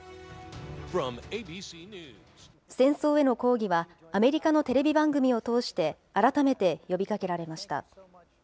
戦争への抗議は、アメリカのテレビ番組を通して、改めて呼びかけられました。